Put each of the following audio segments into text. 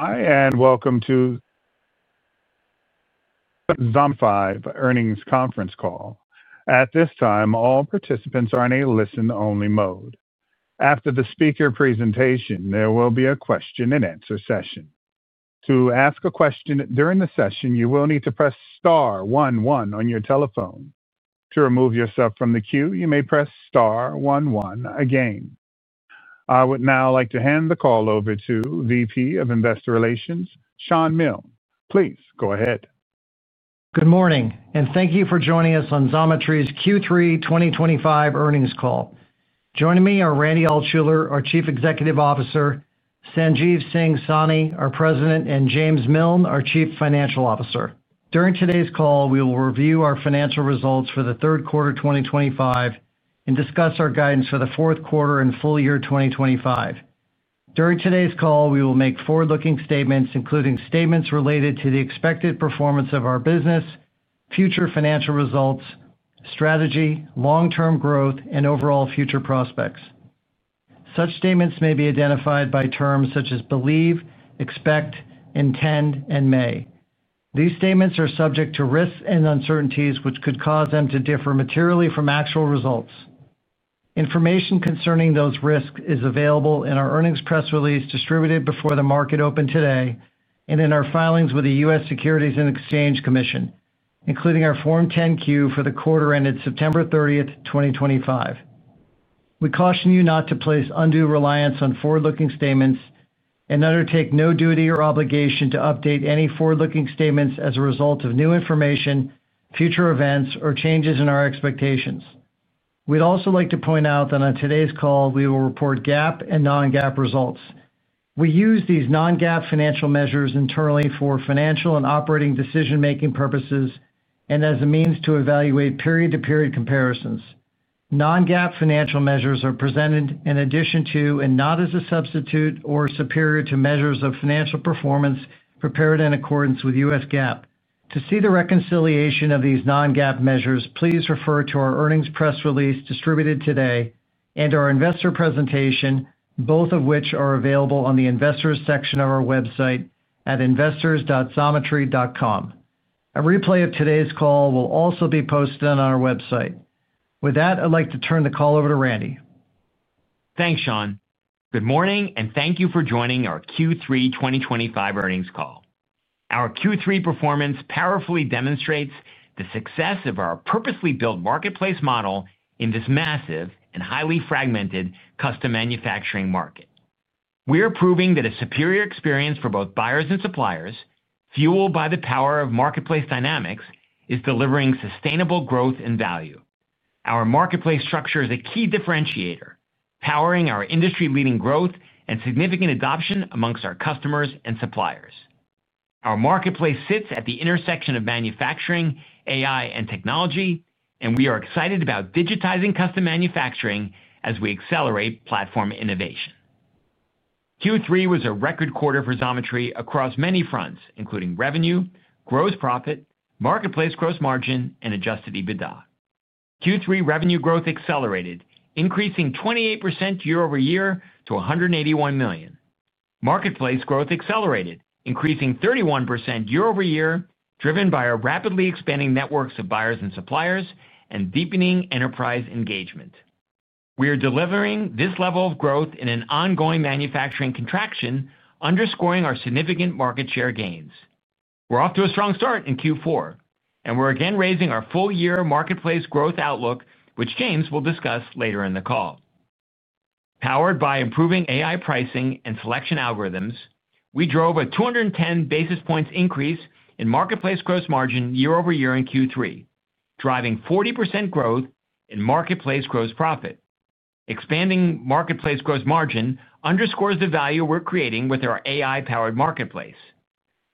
Hi, and welcome to Xometry's earnings conference call. At this time, all participants are in a listen-only mode. After the speaker presentation, there will be a question-and-answer session. To ask a question during the session, you will need to press star one-one on your telephone. To remove yourself from the queue, you may press star one-one again. I would now like to hand the call over to VP of Investor Relations, Shawn Milne. Please go ahead. Good morning, and thank you for joining us on Xometry's Q3 2025 earnings call. Joining me are Randy Altschuler, our Chief Executive Officer; Sanjeev Singh Sahni, our President; and James Milne, our Chief Financial Officer. During today's call, we will review our financial results for the third quarter 2025 and discuss our guidance for the fourth quarter and full year 2025. During today's call, we will make forward-looking statements, including statements related to the expected performance of our business. Future financial results, strategy, long-term growth, and overall future prospects. Such statements may be identified by terms such as believe, expect, intend, and may. These statements are subject to risks and uncertainties, which could cause them to differ materially from actual results. Information concerning those risks is available in our earnings press release distributed before the market opened today and in our filings with the U.S. Securities and Exchange Commission, including our Form 10-Q for the quarter ended September 30th, 2025. We caution you not to place undue reliance on forward-looking statements and undertake no duty or obligation to update any forward-looking statements as a result of new information, future events, or changes in our expectations. We'd also like to point out that on today's call, we will report GAAP and non-GAAP results. We use these non-GAAP financial measures internally for financial and operating decision-making purposes and as a means to evaluate period-to-period comparisons. Non-GAAP financial measures are presented in addition to and not as a substitute or superior to measures of financial performance prepared in accordance with U.S. GAAP. To see the reconciliation of these non-GAAP measures, please refer to our earnings press release distributed today and our investor presentation, both of which are available on the Investors section of our website at investors.xometry.com. A replay of today's call will also be posted on our website. With that, I'd like to turn the call over to Randy. Thanks, Shawn. Good morning, and thank you for joining our Q3 2025 earnings call. Our Q3 performance powerfully demonstrates the success of our purposely built marketplace model in this massive and highly fragmented custom manufacturing market. We are proving that a superior experience for both buyers and suppliers, fueled by the power of marketplace dynamics, is delivering sustainable growth and value. Our marketplace structure is a key differentiator, powering our industry-leading growth and significant adoption amongst our customers and suppliers. Our marketplace sits at the intersection of manufacturing, AI, and technology, and we are excited about digitizing custom manufacturing as we accelerate platform innovation. Q3 was a record quarter for Xometry across many fronts, including revenue, gross profit, marketplace gross margin, and adjusted EBITDA. Q3 revenue growth accelerated, increasing 28% year-over-year to $181 million. Marketplace growth accelerated, increasing 31% year-over-year, driven by our rapidly expanding networks of buyers and suppliers and deepening enterprise engagement. We are delivering this level of growth in an ongoing manufacturing contraction, underscoring our significant market share gains. We're off to a strong start in Q4, and we're again raising our full-year marketplace growth outlook, which James will discuss later in the call. Powered by improving AI pricing and selection algorithms, we drove a 210 basis points increase in marketplace gross margin year-over-year in Q3, driving 40% growth in marketplace gross profit. Expanding marketplace gross margin underscores the value we're creating with our AI-powered marketplace.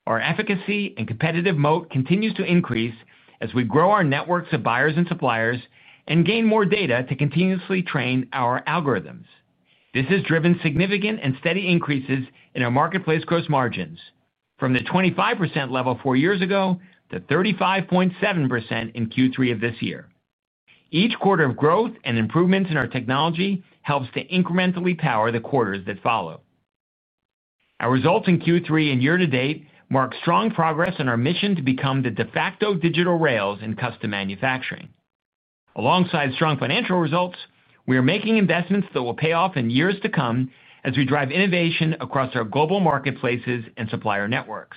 Our efficacy and competitive moat continues to increase as we grow our networks of buyers and suppliers and gain more data to continuously train our algorithms. This has driven significant and steady increases in our marketplace gross margins, from the 25% level four years ago to 35.7% in Q3 of this year. Each quarter of growth and improvements in our technology helps to incrementally power the quarters that follow. Our results in Q3 and year-to-date mark strong progress on our mission to become the de facto digital rails in custom manufacturing. Alongside strong financial results, we are making investments that will pay off in years to come as we drive innovation across our global marketplaces and supplier networks.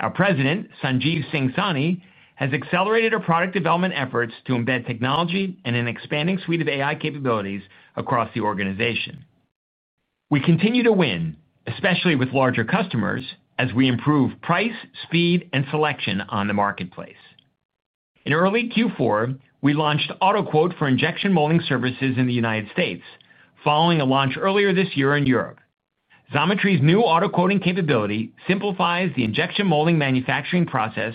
Our President, Sanjeev Singh Sahni, has accelerated our product development efforts to embed technology and an expanding suite of AI capabilities across the organization. We continue to win, especially with larger customers, as we improve price, speed, and selection on the marketplace. In early Q4, we launched auto-quoting for injection molding services in the United States, following a launch earlier this year in Europe. Xometry's new auto-quoting capability simplifies the injection molding manufacturing process,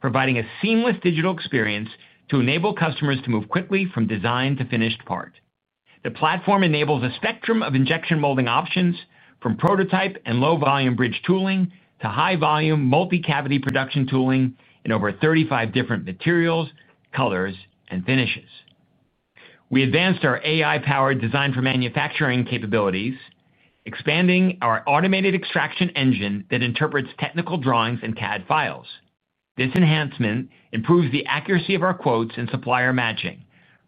providing a seamless digital experience to enable customers to move quickly from design to finished part. The platform enables a spectrum of injection molding options, from prototype and low-volume bridge tooling to high-volume multi-cavity production tooling in over 35 different materials, colors, and finishes. We advanced our AI-powered design-for-manufacturing capabilities, expanding our automated extraction engine that interprets technical drawings and CAD files. This enhancement improves the accuracy of our quotes and supplier matching,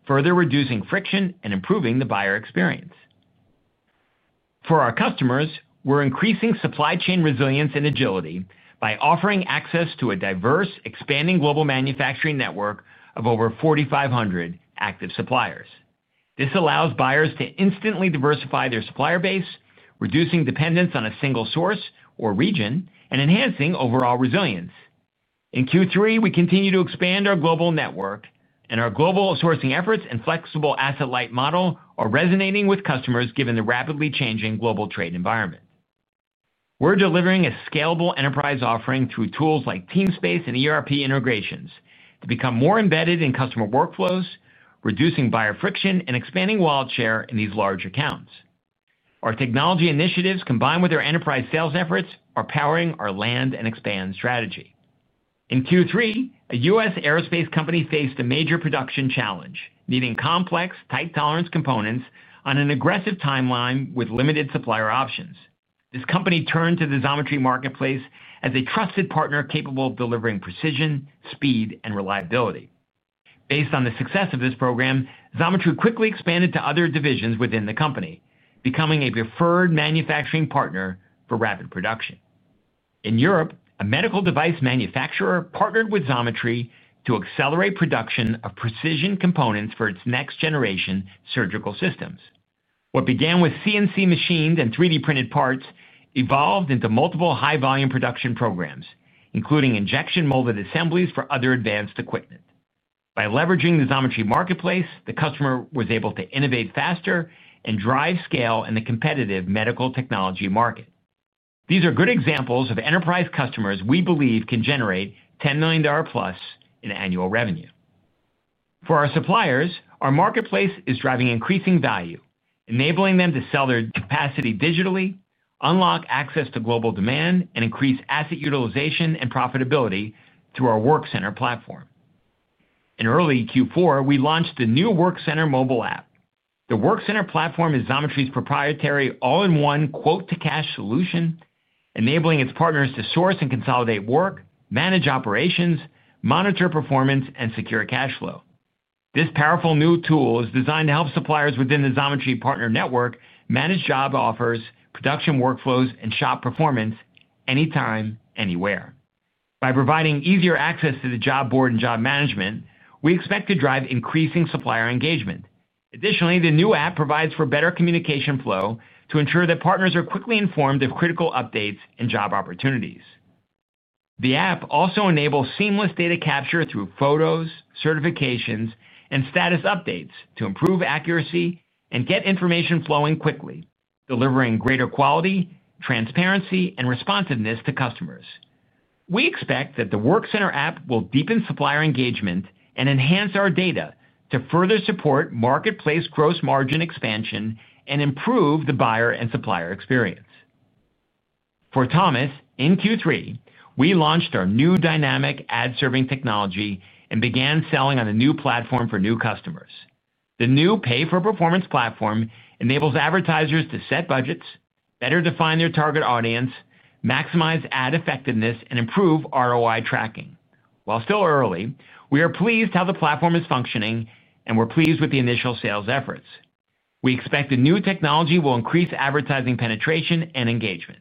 further reducing friction and improving the buyer experience. For our customers, we're increasing supply chain resilience and agility by offering access to a diverse, expanding global manufacturing network of over 4,500 active suppliers. This allows buyers to instantly diversify their supplier base, reducing dependence on a single source or region and enhancing overall resilience. In Q3, we continue to expand our global network, and our global sourcing efforts and flexible asset-light model are resonating with customers given the rapidly changing global trade environment. We're delivering a scalable enterprise offering through tools like teamspace and ERP integrations to become more embedded in customer workflows, reducing buyer friction and expanding wallet share in these large accounts. Our technology initiatives, combined with our enterprise sales efforts, are powering our land and expand strategy. In Q3, a U.S. aerospace company faced a major production challenge, needing complex, tight tolerance components on an aggressive timeline with limited supplier options. This company turned to the Xometry marketplace as a trusted partner capable of delivering precision, speed, and reliability. Based on the success of this program, Xometry quickly expanded to other divisions within the company, becoming a preferred manufacturing partner for rapid production. In Europe, a medical device manufacturer partnered with Xometry to accelerate production of precision components for its next-generation surgical systems. What began with CNC machines and 3D-printed parts evolved into multiple high-volume production programs, including injection molded assemblies for other advanced equipment. By leveraging the Xometry marketplace, the customer was able to innovate faster and drive scale in the competitive medical technology market. These are good examples of enterprise customers we believe can generate $10+ million in annual revenue. For our suppliers, our marketplace is driving increasing value, enabling them to sell their capacity digitally, unlock access to global demand, and increase asset utilization and profitability through our Workcenter platform. In early Q4, we launched the new Workcenter mobile app. The Workcenter platform is Xometry's proprietary all-in-one quote-to-cash solution, enabling its partners to source and consolidate work, manage operations, monitor performance, and secure cash flow. This powerful new tool is designed to help suppliers within the Xometry partner network manage job offers, production workflows, and shop performance anytime, anywhere. By providing easier access to the job board and job management, we expect to drive increasing supplier engagement. Additionally, the new app provides for better communication flow to ensure that partners are quickly informed of critical updates and job opportunities. The app also enables seamless data capture through photos, certifications, and status updates to improve accuracy and get information flowing quickly, delivering greater quality, transparency, and responsiveness to customers. We expect that the Workcenter app will deepen supplier engagement and enhance our data to further support marketplace gross margin expansion and improve the buyer and supplier experience. For Thomas, in Q3, we launched our new dynamic ad-serving technology and began selling on a new platform for new customers. The new pay-for-performance platform enables advertisers to set budgets, better define their target audience, maximize ad effectiveness, and improve ROI tracking. While still early, we are pleased how the platform is functioning, and we're pleased with the initial sales efforts. We expect the new technology will increase advertising penetration and engagement.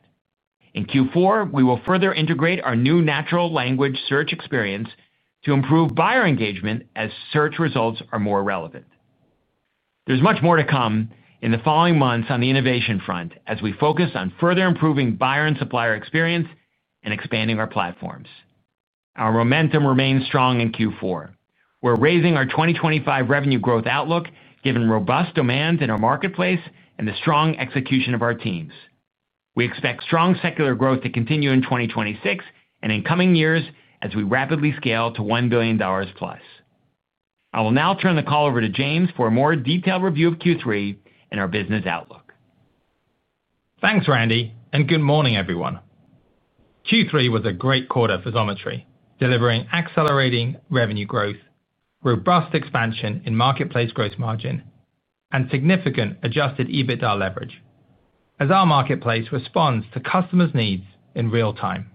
In Q4, we will further integrate our new natural language search experience to improve buyer engagement as search results are more relevant. There's much more to come in the following months on the innovation front as we focus on further improving buyer and supplier experience and expanding our platforms. Our momentum remains strong in Q4. We're raising our 2025 revenue growth outlook given robust demand in our marketplace and the strong execution of our teams. We expect strong secular growth to continue in 2026 and in coming years as we rapidly scale to $1+ billion. I will now turn the call over to James for a more detailed review of Q3 and our business outlook. Thanks, Randy, and good morning, everyone. Q3 was a great quarter for Xometry, delivering accelerating revenue growth, robust expansion in marketplace gross margin, and significant adjusted EBITDA leverage as our marketplace responds to customers' needs in real time.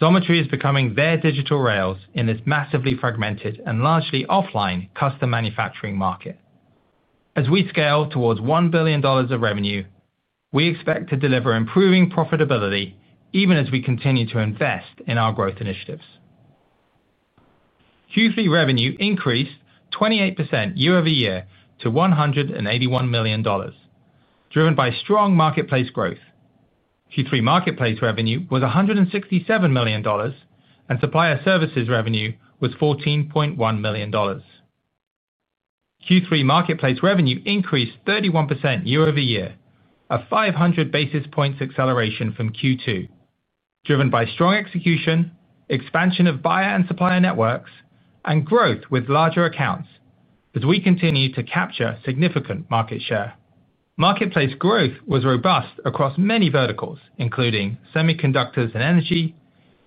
Xometry is becoming their digital rails in this massively fragmented and largely offline custom manufacturing market. As we scale towards $1 billion of revenue, we expect to deliver improving profitability even as we continue to invest in our growth initiatives. Q3 revenue increased 28% year-over-year to $181 million, driven by strong marketplace growth. Q3 marketplace revenue was $167 million, and supplier services revenue was $14.1 million. Q3 marketplace revenue increased 31% year-over-year, a 500 basis points acceleration from Q2, driven by strong execution, expansion of buyer and supplier networks, and growth with larger accounts as we continue to capture significant market share. Marketplace growth was robust across many verticals, including semiconductors and energy,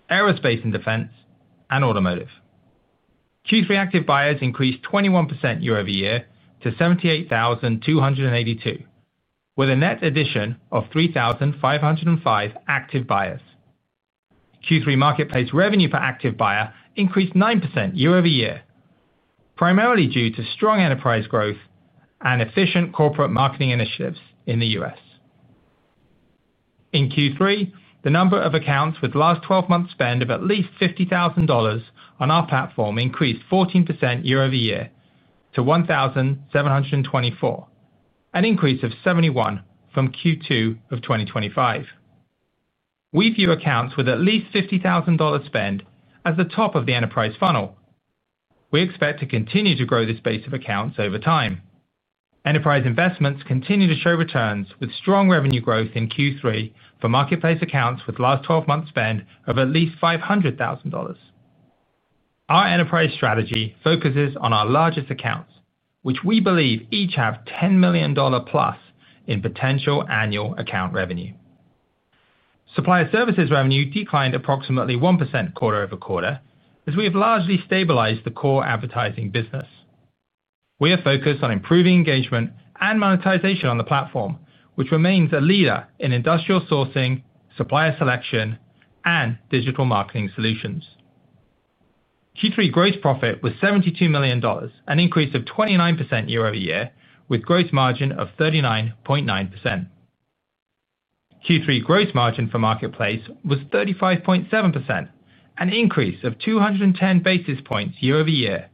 aerospace and defense, and automotive. Q3 active buyers increased 21% year-over-year to 78,282, with a net addition of 3,505 active buyers. Q3 marketplace revenue per active buyer increased 9% year-over-year, primarily due to strong enterprise growth and efficient corporate marketing initiatives in the U.S. In Q3, the number of accounts with last 12-month spend of at least $50,000 on our platform increased 14% year-over-year to 1,724, an increase of 71% from Q2 of 2025. We view accounts with at least $50,000 spend as the top of the enterprise funnel. We expect to continue to grow this base of accounts over time. Enterprise investments continue to show returns with strong revenue growth in Q3 for marketplace accounts with last 12-month spend of at least $500,000. Our enterprise strategy focuses on our largest accounts, which we believe each have $10+ million in potential annual account revenue. Supplier services revenue declined approximately 1% quarter over quarter as we have largely stabilized the core advertising business. We are focused on improving engagement and monetization on the platform, which remains a leader in industrial sourcing, supplier selection, and digital marketing solutions. Q3 gross profit was $72 million, an increase of 29% year-over-year, with gross margin of 39.9%. Q3 gross margin for marketplace was 35.7%, an increase of 210 basis points year-over-year.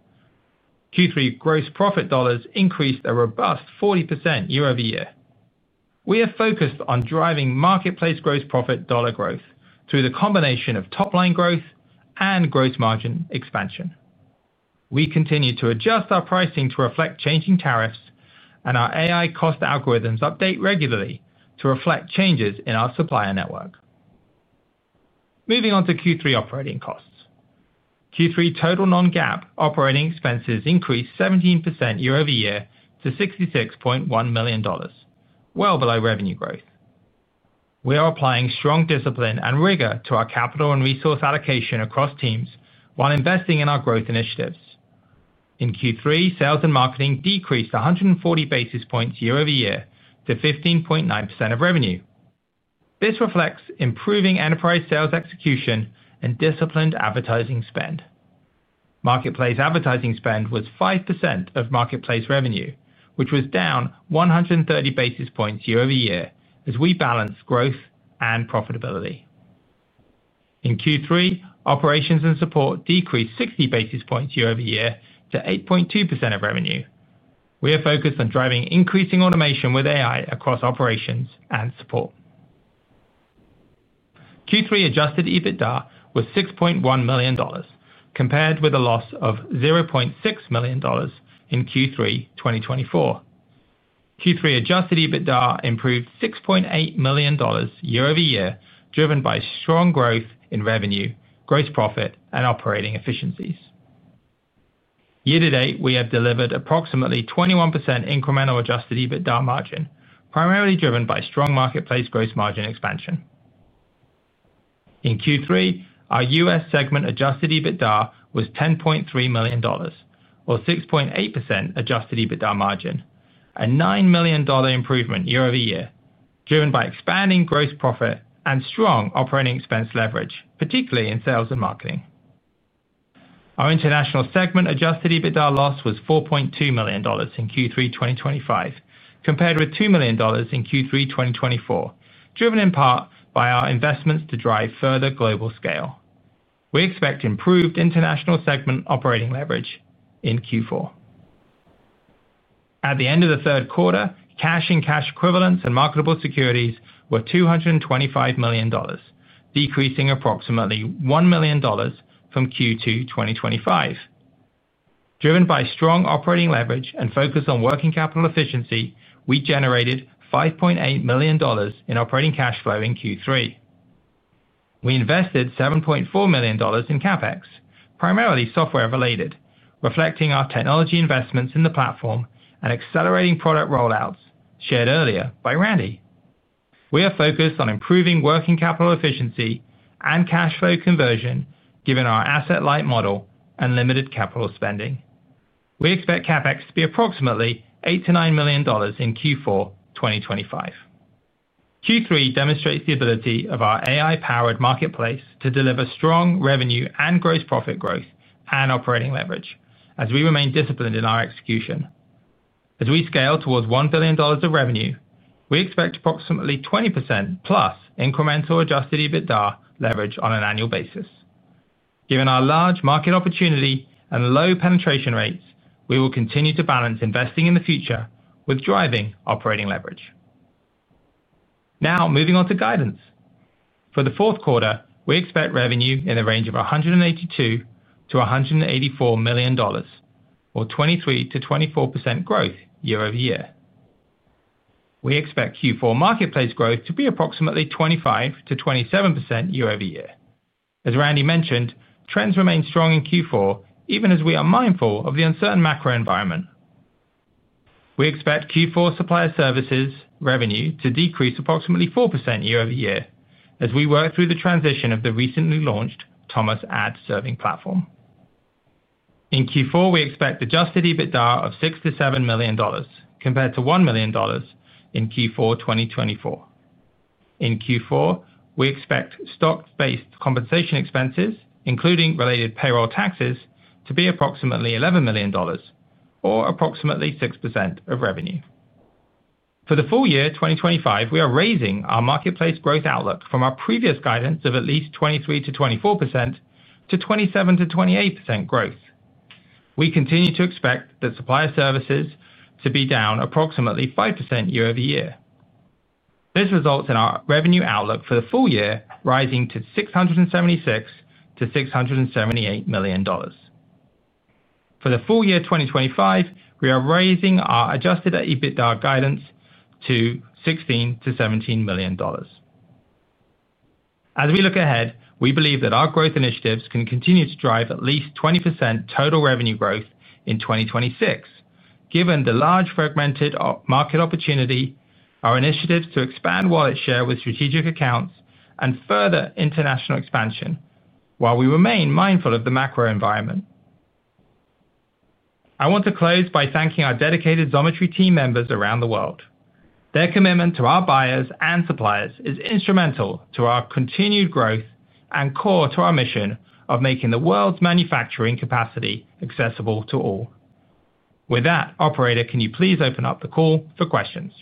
Q3 gross profit dollars increased a robust 40% year-over-year. We are focused on driving marketplace gross profit dollar growth through the combination of top-line growth and gross margin expansion. We continue to adjust our pricing to reflect changing tariffs, and our AI cost algorithms update regularly to reflect changes in our supplier network. Moving on to Q3 operating costs. Q3 total non-GAAP operating expenses increased 17% year-over-year to $66.1 million, well below revenue growth. We are applying strong discipline and rigor to our capital and resource allocation across teams while investing in our growth initiatives. In Q3, sales and marketing decreased 140 basis points year-over-year to 15.9% of revenue. This reflects improving enterprise sales execution and disciplined advertising spend. Marketplace advertising spend was 5% of marketplace revenue, which was down 130 basis points year-over-year as we balanced growth and profitability. In Q3, operations and support decreased 60 basis points year-over-year to 8.2% of revenue. We are focused on driving increasing automation with AI across operations and support. Q3 adjusted EBITDA was $6.1 million, compared with a loss of $0.6 million in Q3 2024. Q3 adjusted EBITDA improved $6.8 million year-over-year, driven by strong growth in revenue, gross profit, and operating efficiencies. Year-to-date, we have delivered approximately 21% incremental adjusted EBITDA margin, primarily driven by strong marketplace gross margin expansion. In Q3, our U.S. segment adjusted EBITDA was $10.3 million, or 6.8% adjusted EBITDA margin, a $9 million improvement year-over-year, driven by expanding gross profit and strong operating expense leverage, particularly in sales and marketing. Our international segment adjusted EBITDA loss was $4.2 million in Q3 2025, compared with $2 million in Q3 2024, driven in part by our investments to drive further global scale. We expect improved international segment operating leverage in Q4. At the end of the third quarter, cash and cash equivalents and marketable securities were $225 million, decreasing approximately $1 million from Q2 2025. Driven by strong operating leverage and focus on working capital efficiency, we generated $5.8 million in operating cash flow in Q3. We invested $7.4 million in CapEx, primarily software-related, reflecting our technology investments in the platform and accelerating product rollouts shared earlier by Randy. We are focused on improving working capital efficiency and cash flow conversion given our asset-light model and limited capital spending. We expect CapEx to be approximately $8 million-$9 million in Q4 2025. Q3 demonstrates the ability of our AI-powered marketplace to deliver strong revenue and gross profit growth and operating leverage as we remain disciplined in our execution. As we scale towards $1 billion of revenue, we expect approximately 20%+ incremental adjusted EBITDA leverage on an annual basis. Given our large market opportunity and low penetration rates, we will continue to balance investing in the future with driving operating leverage. Now, moving on to guidance. For the fourth quarter, we expect revenue in the range of $182 million-$184 million, or 23%-24% growth year-over-year. We expect Q4 marketplace growth to be approximately 25%-27% year-over-year. As Randy mentioned, trends remain strong in Q4, even as we are mindful of the uncertain macro environment. We expect Q4 supplier services revenue to decrease approximately 4% year-over-year as we work through the transition of the recently launched Thomasnet ad-serving platform. In Q4, we expect adjusted EBITDA of $6 million-$7 million, compared to $1 million in Q4 2024. In Q4, we expect stock-based compensation expenses, including related payroll taxes, to be approximately $11 million, or approximately 6% of revenue. For the full year 2025, we are raising our marketplace growth outlook from our previous guidance of at least 23%-24% to 27%-28% growth. We continue to expect that supplier services to be down approximately 5% year-over-year. This results in our revenue outlook for the full year rising to $676 million-$678 million. For the full year 2025, we are raising our adjusted EBITDA guidance to $16 million-$17 million. As we look ahead, we believe that our growth initiatives can continue to drive at least 20% total revenue growth in 2026, given the large fragmented market opportunity, our initiatives to expand wallet share with strategic accounts, and further international expansion, while we remain mindful of the macro environment. I want to close by thanking our dedicated Xometry team members around the world. Their commitment to our buyers and suppliers is instrumental to our continued growth and core to our mission of making the world's manufacturing capacity accessible to all. With that, Operator, can you please open up the call for questions?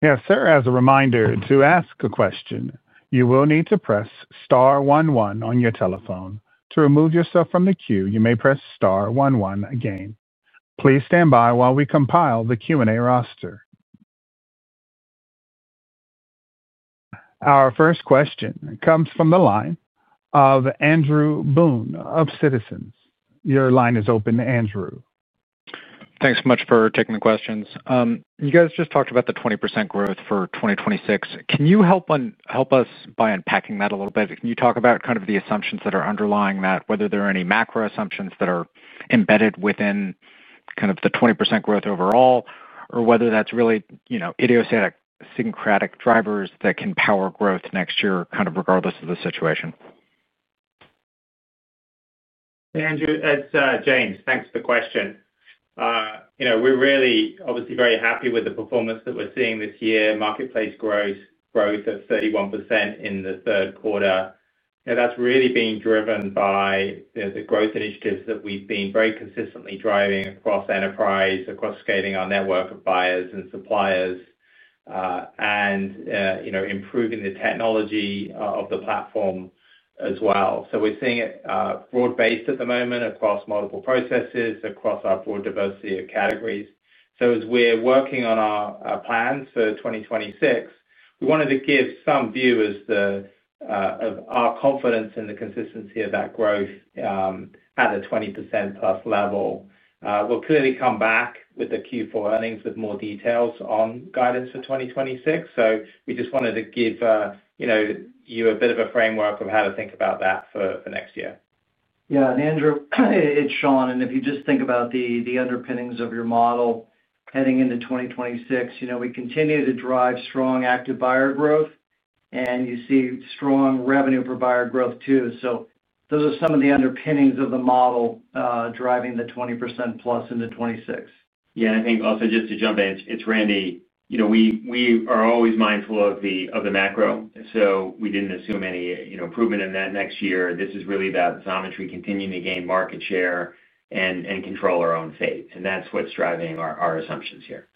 Yes, sir. As a reminder, to ask a question, you will need to press star one-one on your telephone. To remove yourself from the queue, you may press star one-one again. Please stand by while we compile the Q&A roster. Our first question comes from the line of Andrew Boone of Citizens. Your line is open, Andrew. Thanks so much for taking the questions. You guys just talked about the 20% growth for 2026. Can you help us by unpacking that a little bit? Can you talk about kind of the assumptions that are underlying that, whether there are any macro assumptions that are embedded within kind of the 20% growth overall, or whether that's really idiosyncratic drivers that can power growth next year, kind of regardless of the situation? Hey, Andrew. It's James. Thanks for the question. We're really obviously very happy with the performance that we're seeing this year, marketplace growth of 31% in the third quarter. That's really being driven by the growth initiatives that we've been very consistently driving across enterprise, across scaling our network of buyers and suppliers, and improving the technology of the platform as well. We're seeing it broad-based at the moment across multiple processes, across our broad diversity of categories. As we're working on our plans for 2025, we wanted to give some viewers of our confidence in the consistency of that growth. At a 20%+ level. We'll clearly come back with the Q4 earnings with more details on guidance for 2025. We just wanted to give you a bit of a framework of how to think about that for next year. Yeah. Andrew, it's Shawn. If you just think about the underpinnings of your model heading into 2026, we continue to drive strong active buyer growth, and you see strong revenue per buyer growth too. So those are some of the underpinnings of the model driving the 20%+ into 2026. Yeah. I think also, just to jump in, it's Randy. We are always mindful of the macro, so we didn't assume any improvement in that next year. This is really about Xometry continuing to gain market share and control our own fate. That's what's driving our assumptions here.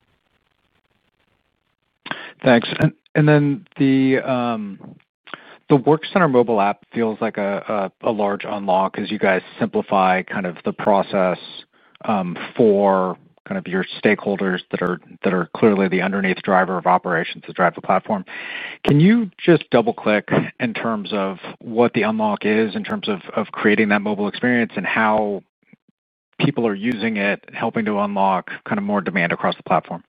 Thanks. And then the Work Center mobile app feels like a large unlock as you guys simplify kind of the process for kind of your stakeholders that are clearly the underneath driver of operations to drive the platform. Can you just double-click in terms of what the unlock is in terms of creating that mobile experience and how people are using it, helping to unlock kind of more demand across the platform?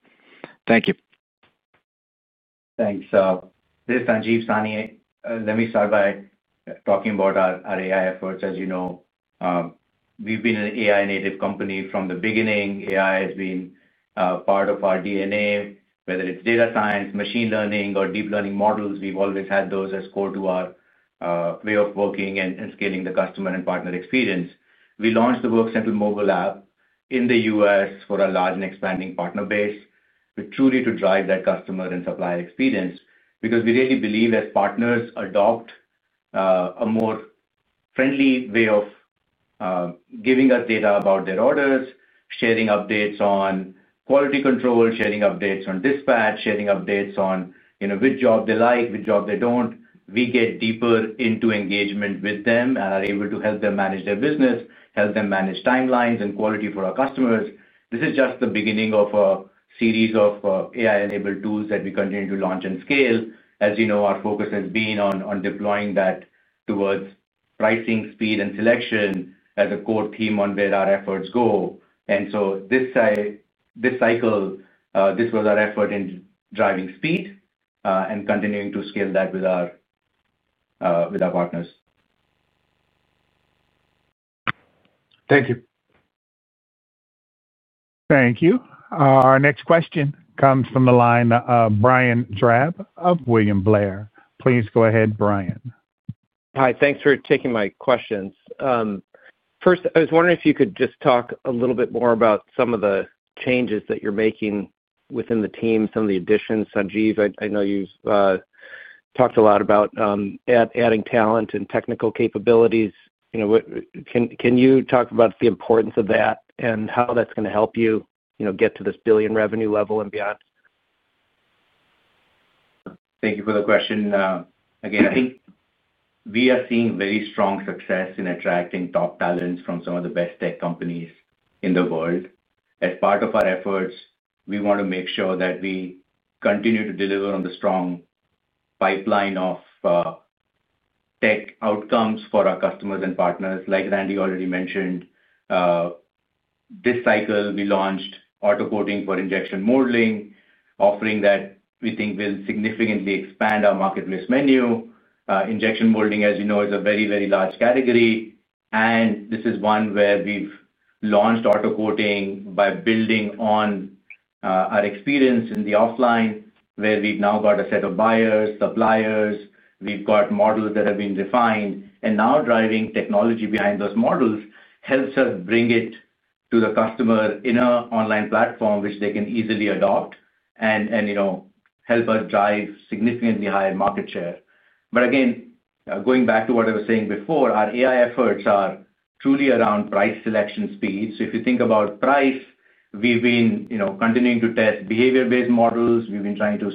Thank you. Thanks. This is Sanjeev Singh Sahni. Let me start by talking about our AI efforts. As you know, we've been an AI-native company from the beginning. AI has been part of our DNA. Whether it's data science, machine learning, or deep learning models, we've always had those as core to our way of working and scaling the customer and partner experience. We launched the Work Center mobile app in the U.S. for a large and expanding partner base, truly to drive that customer and supplier experience because we really believe as partners adopt a more friendly way of giving us data about their orders, sharing updates on quality control, sharing updates on dispatch, sharing updates on which job they like, which job they don't. We get deeper into engagement with them and are able to help them manage their business, help them manage timelines and quality for our customers. This is just the beginning of a series of AI-enabled tools that we continue to launch and scale. As you know, our focus has been on deploying that towards pricing, speed, and selection as a core theme on where our efforts go. This cycle, this was our effort in driving speed and continuing to scale that with our partners. Thank you. Thank you. Our next question comes from the line of Brian Drab of William Blair. Please go ahead, Brian. Hi. Thanks for taking my questions. First, I was wondering if you could just talk a little bit more about some of the changes that you're making within the team, some of the additions. Sanjeev, I know you've talked a lot about adding talent and technical capabilities. Can you talk about the importance of that and how that's going to help you get to this billion revenue level and beyond? Thank you for the question. Again, I think we are seeing very strong success in attracting top talents from some of the best tech companies in the world. As part of our efforts, we want to make sure that we continue to deliver on the strong pipeline of tech outcomes for our customers and partners. Like Randy already mentioned, this cycle, we launched auto-quoting for injection molding, offering that we think will significantly expand our marketplace menu. Injection molding, as you know, is a very, very large category. This is one where we've launched auto-quoting by building on our experience in the offline, where we've now got a set of buyers, suppliers. We've got models that have been refined. Now driving technology behind those models helps us bring it to the customer in an online platform, which they can easily adopt and help us drive significantly higher market share. Again, going back to what I was saying before, our AI efforts are truly around price selection speed. If you think about price, we've been continuing to test behavior-based models. We've been trying to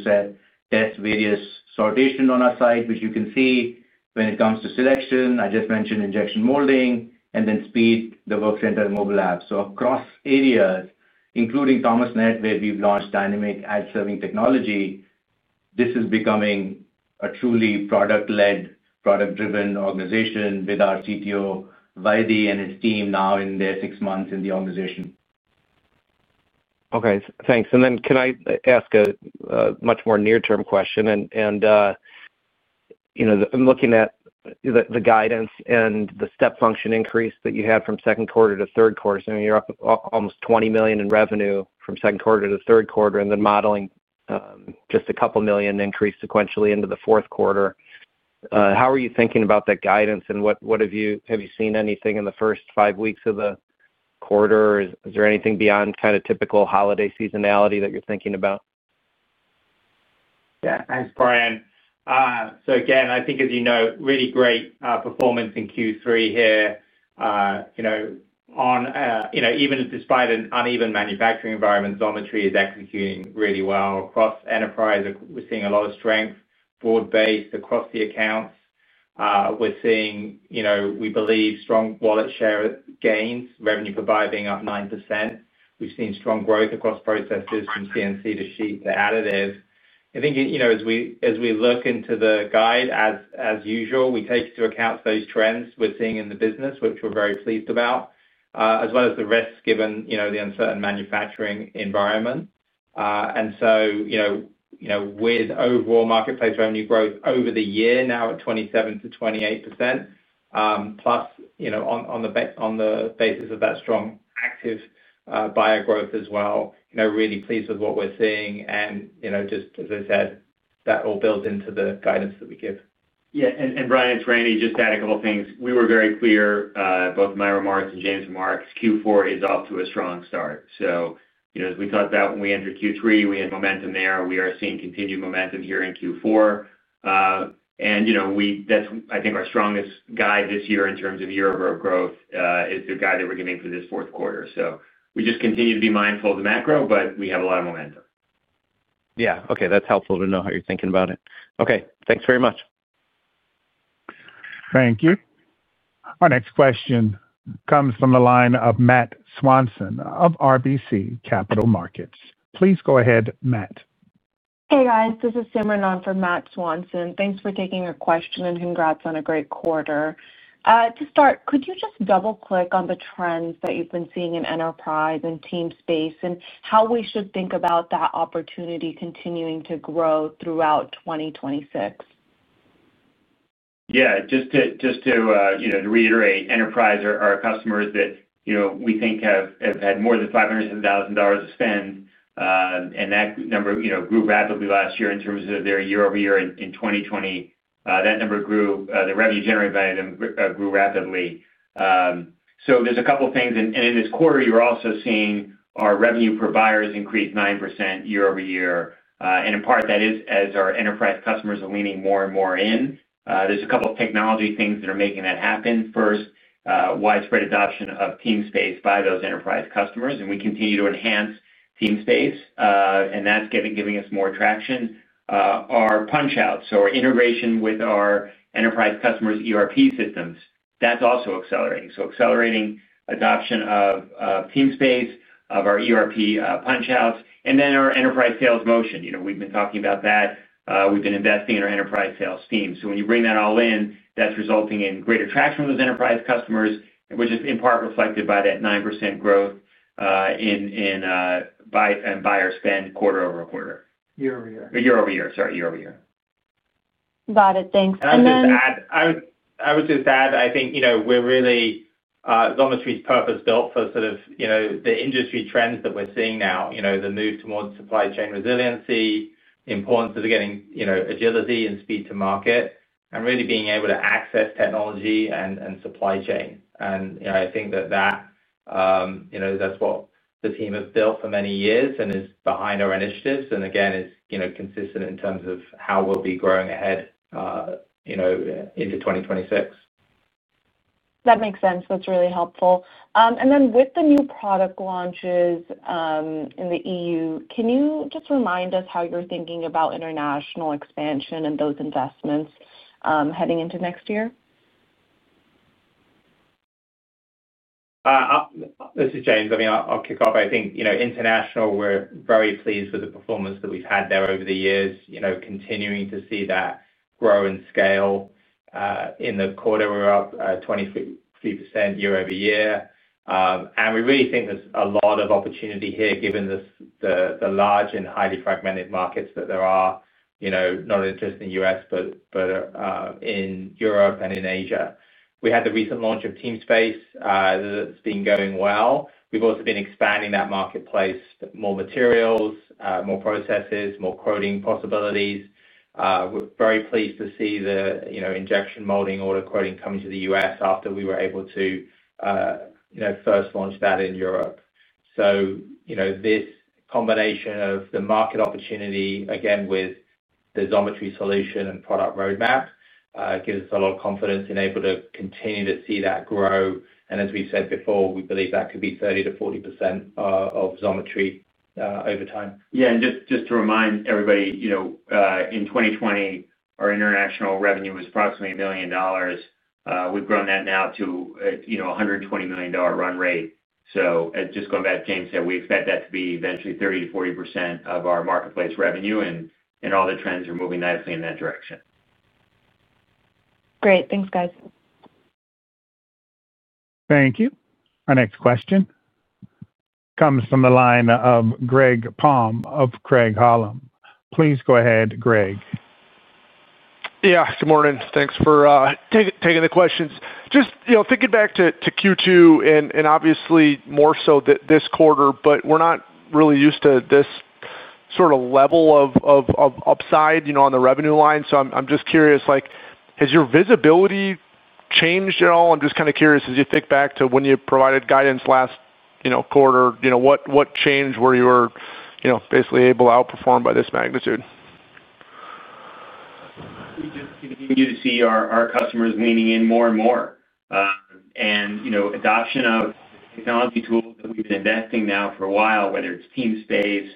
test various sortations on our site, which you can see when it comes to selection. I just mentioned injection molding and then speed, the Workcenter mobile app. Across areas, including Thomasnet, where we've launched dynamic ad-serving technology, this is becoming a truly product-led, product-driven organization with our CTO, Vaidi, and his team now in their six months in the organization. Okay. Thanks. Then can I ask a much more near-term question? I'm looking at the guidance and the step function increase that you had from second quarter to third quarter. So you're up almost $20 million in revenue from second quarter to third quarter, and then modeling just a couple million increase sequentially into the fourth quarter. How are you thinking about that guidance? Have you seen anything in the first five weeks of the quarter? Is there anything beyond kind of typical holiday seasonality that you're thinking about? Yeah. Thanks, Brian. So again, I think, as you know, really great performance in Q3 here. Even despite an uneven manufacturing environment, Xometry is executing really well across enterprise. We're seeing a lot of strength broad-based across the accounts. We're seeing, we believe, strong wallet share gains, revenue per buy being up 9%. We've seen strong growth across processes from CNC to sheet to additive. I think as we look into the guide, as usual, we take into account those trends we're seeing in the business, which we're very pleased about, as well as the risks given the uncertain manufacturing environment. With overall marketplace revenue growth over the year now at 27%-28%. Plus, on the basis of that strong active buyer growth as well, really pleased with what we're seeing. Just as I said, that all builds into the guidance that we give. Yeah. Brian and Randy just added a couple of things. We were very clear, both my remarks and James' remarks, Q4 is off to a strong start. As we talked about when we entered Q3, we had momentum there. We are seeing continued momentum here in Q4. I think our strongest guide this year in terms of year-over-year growth is the guide that we're giving for this fourth quarter. We just continue to be mindful of the macro, but we have a lot of momentum. Yeah. Okay. That's helpful to know how you're thinking about it. Okay. Thanks very much. Thank you. Our next question comes from the line of Matt Swanson of RBC Capital Markets. Please go ahead, Matt. Hey, guys. This is Simran from Matt Swanson. Thanks for taking your question and congrats on a great quarter. To start, could you just double-click on the trends that you've been seeing in enterprise and teamspace and how we should think about that opportunity continuing to grow throughout 2026? Yeah. Just to reiterate, enterprise are customers that we think have had more than $500,000 to spend. That number grew rapidly last year in terms of their year-over-year in 2020. That number grew; the revenue generated by them grew rapidly. So there's a couple of things. In this quarter, you're also seeing our revenue per buyers increase 9% year-over-year. In part, that is as our enterprise customers are leaning more and more in. There's a couple of technology things that are making that happen. First, widespread adoption of teamspace by those enterprise customers. We continue to enhance teamspace. That's giving us more traction. Our punch-outs, so our integration with our enterprise customers' ERP systems, that's also accelerating. So accelerating adoption of teamspace, of our ERP punch-outs, and then our enterprise sales motion. We've been talking about that. We've been investing in our enterprise sales team. So when you bring that all in, that's resulting in greater traction from those enterprise customers, which is in part reflected by that 9% growth in buyer spend quarter-over-quarter. Year-over-year. Year-over-year. Sorry, year-over-year. Got it. Thanks. I would just add, I think Xometry's purpose built for sort of the industry trends that we're seeing now, the move towards supply chain resiliency, the importance of getting agility and speed to market, and really being able to access technology and supply chain. I think that's what the team has built for many years and is behind our initiatives and, again, is consistent in terms of how we'll be growing ahead into 2026. That makes sense. That's really helpful. With the new product launches in the EU, can you just remind us how you're thinking about international expansion and those investments heading into next year? This is James. I mean, I'll kick off. I think international, we're very pleased with the performance that we've had there over the years, continuing to see that grow and scale. In the quarter, we're up 23% year-over-year. We really think there's a lot of opportunity here given the large and highly fragmented markets that there are, not only just in the U.S. but in Europe and in Asia. We had the recent launch of teamspace. That's been going well. We've also been expanding that marketplace, more materials, more processes, more quoting possibilities. We're very pleased to see the injection molding order quoting coming to the U.S. after we were able to first launch that in Europe. This combination of the market opportunity, again, with the Xometry solution and product roadmap, gives us a lot of confidence in able to continue to see that grow. As we said before, we believe that could be 30%-40% of Xometry over time. Yeah. Just to remind everybody, in 2020, our international revenue was approximately $1 million. We've grown that now to $120 million run rate. Just going back to James' saying, we expect that to be eventually 30%-40% of our marketplace revenue. All the trends are moving nicely in that direction. Great. Thanks, guys. Thank you. Our next question comes from the line of Greg Palm of Craig Hallum. Please go ahead, Greg. Yeah. Good morning. Thanks for taking the questions. Just thinking back to Q2 and obviously more so this quarter, but we're not really used to this sort of level of upside on the revenue line. I'm just curious, has your visibility changed at all? I'm just kind of curious, as you think back to when you provided guidance last quarter, what changed where you were basically able to outperform by this magnitude? We just continue to see our customers leaning in more and more. Adoption of technology tools that we've been investing now for a while, whether it's teamspace.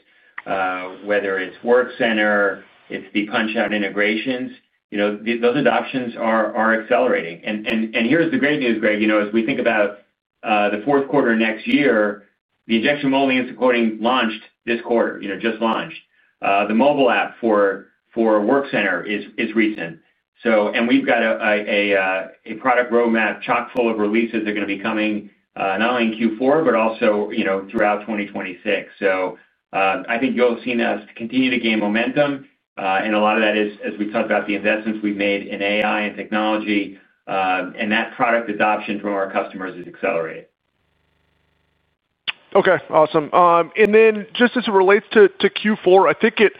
Whether it's Work Center, it's the punch-out integrations, those adoptions are accelerating. Here's the great news, Greg. As we think about the fourth quarter next year, the injection molding and supporting launched this quarter, just launched. The mobile app for Work Center is recent. We've got a product roadmap chock full of releases that are going to be coming not only in Q4 but also throughout 2026. So I think you'll have seen us continue to gain momentum. A lot of that is, as we talked about, the investments we've made in AI and technology. That product adoption from our customers is accelerating. Okay. Awesome. And then just as it relates to Q4, I think it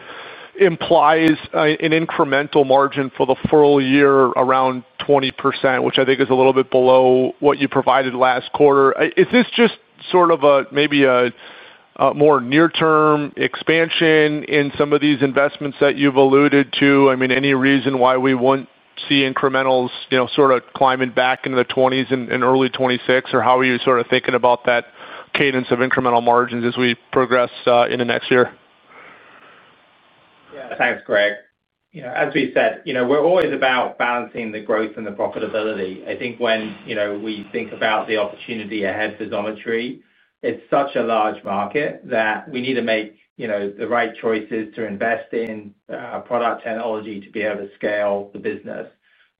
implies an incremental margin for the full year around 20%, which I think is a little bit below what you provided last quarter. Is this just sort of maybe a more near-term expansion in some of these investments that you've alluded to? I mean, any reason why we wouldn't see incrementals sort of climbing back into the 20s-percent in early 2026? Or how are you sort of thinking about that cadence of incremental margins as we progress into next year? Yeah. Hi, Greg. As we said, we're always about balancing the growth and the profitability. I think when we think about the opportunity ahead for Xometry, it's such a large market that we need to make the right choices to invest in product technology to be able to scale the business.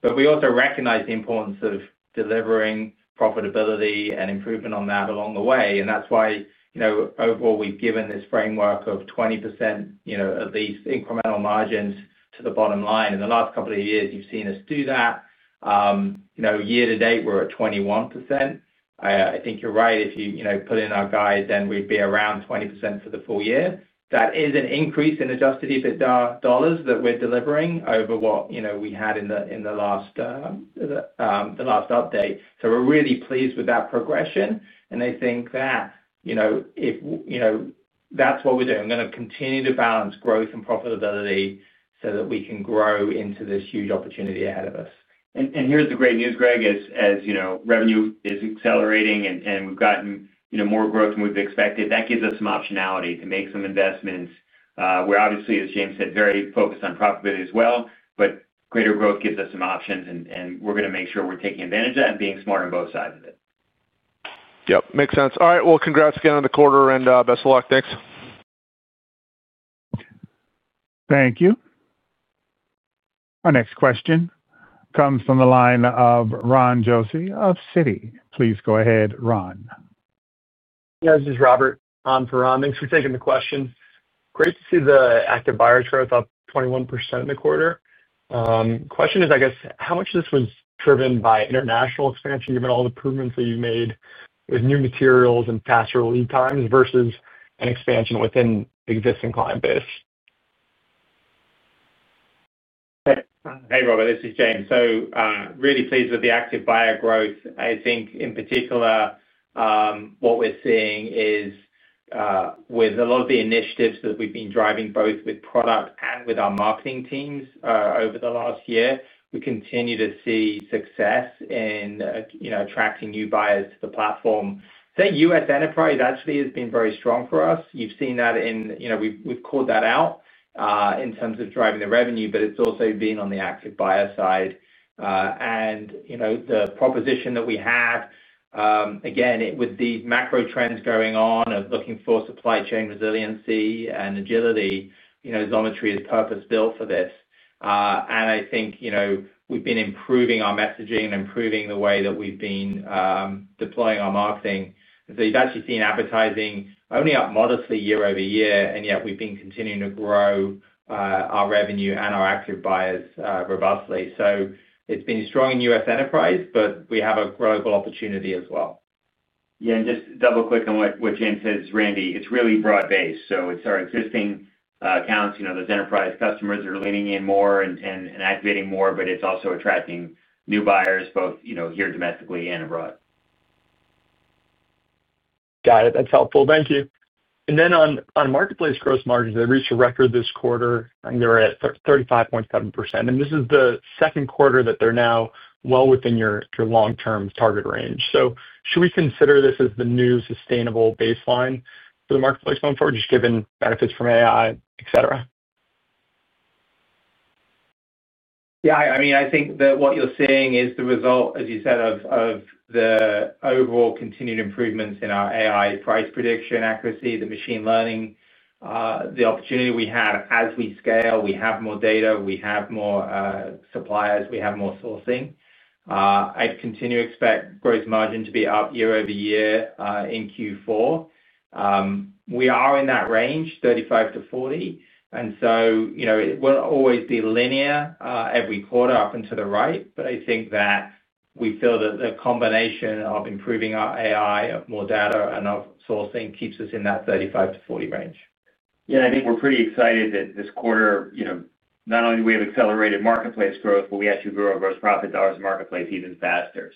But we also recognize the importance of delivering profitability and improvement on that along the way. That's why overall, we've given this framework of 20% at least incremental margins to the bottom line. In the last couple of years, you've seen us do that. Year-to-date, we're at 21%. I think you're right. If you put in our guide, then we'd be around 20% for the full year. That is an increase in adjusted EBITDA dollars that we're delivering over what we had in the last update. So we're really pleased with that progression. I think that's what we're doing, we're going to continue to balance growth and profitability so that we can grow into this huge opportunity ahead of us. Here's the great news, Greg. As revenue is accelerating and we've gotten more growth than we've expected, that gives us some optionality to make some investments. We're obviously, as James said, very focused on profitability as well. But greater growth gives us some options. We're going to make sure we're taking advantage of that and being smart on both sides of it. Yep. Makes sense. All right. Congrats again on the quarter. And best of luck. Thanks. Thank you. Our next question comes from the line of Ron Josey of Citi. Please go ahead, Ron. Yeah. This is Robert on for Ron. Thanks for taking the question. Great to see the active buyer's growth up 21% in the quarter. Question is, I guess, how much of this was driven by international expansion, given all the improvements that you've made with new materials and faster lead times versus an expansion within existing client base? Hey, Robert. This is James. Really pleased with the active buyer growth. I think in particular what we're seeing is with a lot of the initiatives that we've been driving both with product and with our marketing teams over the last year, we continue to see success in attracting new buyers to the platform. I'd say U.S. enterprise actually has been very strong for us. You've seen that in we've called that out in terms of driving the revenue, but it's also been on the active buyer side. And the proposition that we have, again, with these macro trends going on of looking for supply chain resiliency and agility, Xometry is purpose-built for this. And I think we've been improving our messaging and improving the way that we've been deploying our marketing. You've actually seen advertising only up modestly year-over-year, and yet we've been continuing to grow our revenue and our active buyers robustly. It's been strong in U.S. enterprise, but we have a growth opportunity as well. Yeah. And just double-click on what James says, Randy, it's really broad-based. It's our existing accounts, those enterprise customers that are leaning in more and activating more, but it's also attracting new buyers both here domestically and abroad. Got it. That's helpful. Thank you. On marketplace gross margins, they reached a record this quarter. I think they were at 35.7%. This is the second quarter that they're now well within your long-term target range. So should we consider this as the new sustainable baseline for the marketplace going forward, just given benefits from AI, etc.? Yeah. I mean, I think that what you're seeing is the result, as you said, of the overall continued improvements in our AI price prediction accuracy, the machine learning. The opportunity we have as we scale. We have more data. We have more suppliers. We have more sourcing. I continue to expect gross margin to be up year-over-year in Q4. We are in that range, 35%-40%. And so. We'll always be linear every quarter up and to the right. That I think that we feel that the combination of improving our AI, more data, and outsourcing keeps us in that 35%-40% range. Yeah. I think we're pretty excited that this quarter, not only do we have accelerated marketplace growth, but we actually grew our gross profit dollars in marketplace even faster.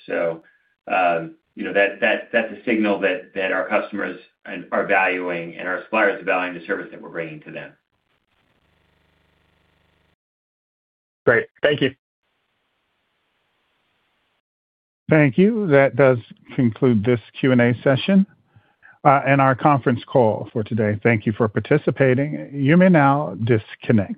That's a signal that our customers are valuing and our suppliers are valuing the service that we're bringing to them. Great. Thank you. Thank you. That does conclude this Q&A session and our conference call for today. Thank you for participating. You may now disconnect.